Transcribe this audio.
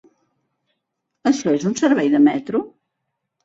Això és un servei de metro?